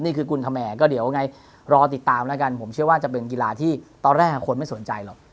นี่คือกุลธแมร์ก็เดี๋ยวไงรอติดตามแล้วกันผมเชื่อว่าจะเป็นกีฬาที่ตอนแรกคนไม่สนใจหรอก